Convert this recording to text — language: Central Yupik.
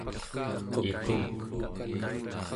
iquk